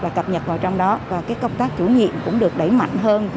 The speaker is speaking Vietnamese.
là cập nhật vào trong đó và công tác chủ nhiệm cũng được đẩy mạnh hơn